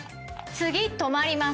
次止まります。